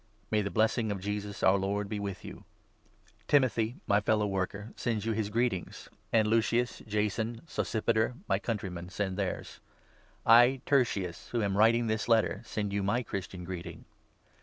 May the blessing of Jesus, our Lord, be with you. Timothy, my fellow worker, sends you his greeting, and 21 Lucius, Jason, and Sosipater, my countrymen, send theirs. I, 22 Tertius, who am writing this letter, send you my Christian greeting.